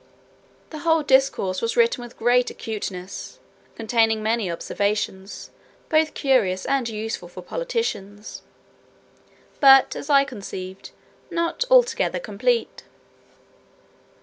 The whole discourse was written with great acuteness, containing many observations, both curious and useful for politicians; but, as I conceived, not altogether complete.